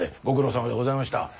ご苦労さまでございました。